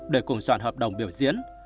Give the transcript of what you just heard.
để cùng soạn hợp đồng biểu diễn